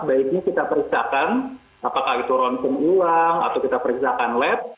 baiknya kita periksa kan apakah itu rontum ulang atau kita periksa kan lab